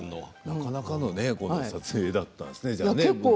なかなかの撮影だったんですね。